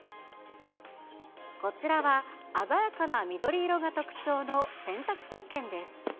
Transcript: こちらは鮮やかな緑色が特徴の洗濯せっけんです。